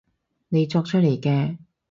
你作出嚟嘅